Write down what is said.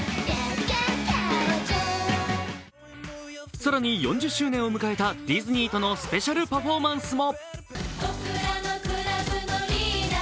更に、４０周年を迎えたディズニーとのスペシャルパフォーマンスも。